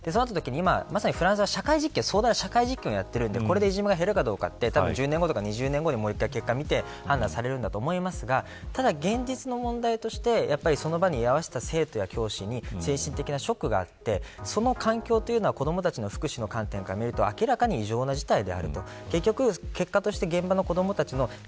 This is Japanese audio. まさにフランスは社会実験をやっているのでこれでいじめが減るかどうかは１０年後や２０年後に結果を見て判断されると思いますが現実の問題としてその場に居合わせた生徒や教師に精神的なショックがあってその環境というのは子どもたちの福祉の観点から見ると明らかに異常な事態であると。